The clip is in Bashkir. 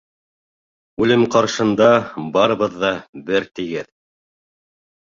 Үлем ҡаршында барыбыҙ ҙа бер тигеҙ.